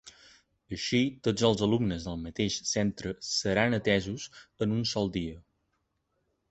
Així, tots els alumnes del mateix centre seran atesos en un sol dia.